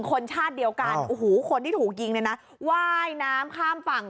คนชาติเดียวกันนะคนที่ถูกยิงว่าน้ำข้ามฝั่ง